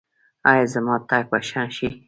ایا زما تګ به ښه شي؟